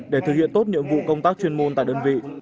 để thực hiện tốt nhiệm vụ công tác chuyên môn tại đơn vị